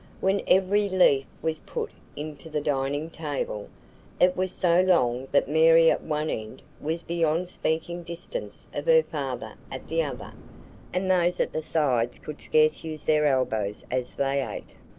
When every leaf was put into the dining table, it was so long that Mary at one end was beyond speaking distance of her father at the other, and those at the sides could scarce use their elbows as they ate.